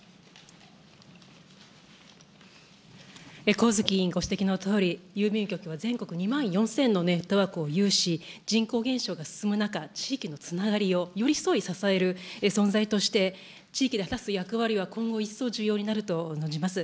上月委員ご指摘のとおり、郵便局は全国に２万４０００のネットワークを有し、人口減少が進む中、地域のつながりを寄り添い支える存在として、地域で果たす役割は今後一層重要になると存じます。